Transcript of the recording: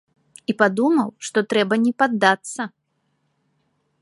І падумаў, што трэба не паддацца.